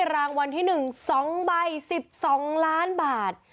รางวันที่หนึ่งสองใบสิบสองล้านบาท